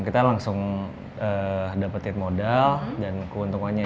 kita langsung dapetin modal dan keuntungannya